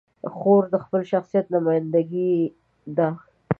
خور د خپل شخصیت نماینده ده.